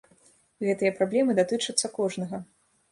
Гэтыя праблемы датычацца кожнага.